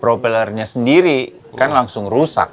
propellernya sendiri kan langsung rusak